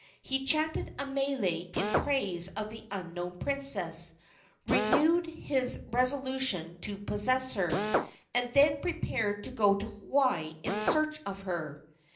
He chanted a mele in praise of the unknown princess, renewed his resolution to possess her, and then prepared to go to Hawaii in search of her.